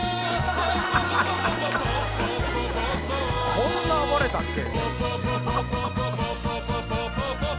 こんな暴れたっけ？